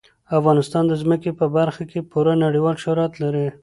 افغانستان د ځمکه په برخه کې پوره نړیوال شهرت لري.